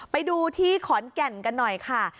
ไปดูที่ขอนแก่นกันหน่อยค่ะ